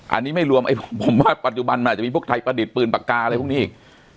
อันนี้ไม่รวมผมว่าปัจจุบันมันอาจจะมีพวกไทยประดิษฐ์ปืนปากกาอะไรพวกนี้อีก